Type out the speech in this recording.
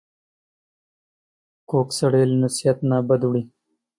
کوږ سړی له نصیحت نه بد وړي